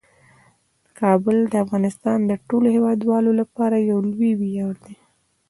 کابل د افغانستان د ټولو هیوادوالو لپاره یو لوی ویاړ دی.